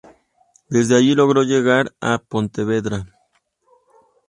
Desde allí logró llegar a Pontevedra.